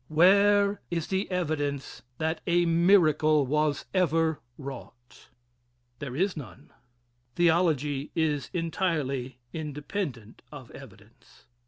Where is the evidence that a miracle was ever wrought? There is none. Theology is entirely independent of evidence.